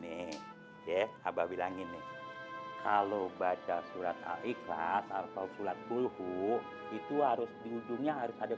nih ya abah bilangin nih kalau baca surat al ikhlas atau sulat pulhu itu harus di ujungnya harus ada